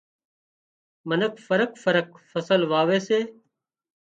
منک فرق فرق فصل واوي سي